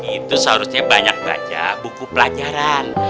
itu seharusnya banyak baca buku pelajaran